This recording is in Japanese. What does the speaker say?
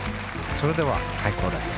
それでは開講です